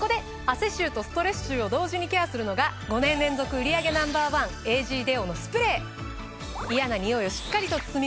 汗臭とストレス臭を同時にケアするのが５年連続売り上げＮｏ．１エージーデオのスプレー！